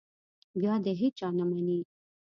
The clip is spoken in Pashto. بیا د هېچا نه مني.